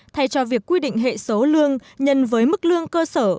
thay cho việc quy định hệ số lương nhân với mức lương cơ sở